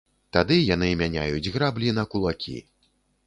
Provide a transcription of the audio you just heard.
Тады яны мяняюць граблі на кулакі.